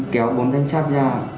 kéo bốn thanh sát ra